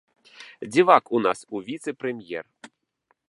Дзівак у нас у віцэ-прэм'ер!